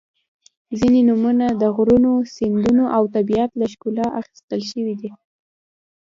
• ځینې نومونه د غرونو، سیندونو او طبیعت له ښکلا نه اخیستل شوي دي.